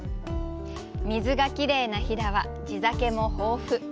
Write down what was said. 水がきれいな飛騨は地酒も豊富。